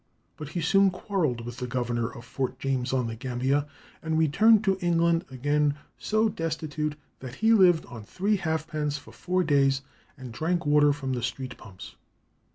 But he soon quarrelled with the governor of Fort James on the Gambia, and returned to England again so destitute that he lived on three halfpence for four days and drank water from the street pumps.